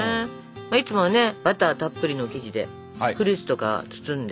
いつもはねバターたっぷりの生地でフルーツとか包んで焼くもんね。